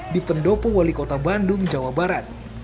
di pendopo wali kota bandung jawa barat